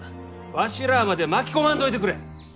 わしらまで巻き込まんといてくれ！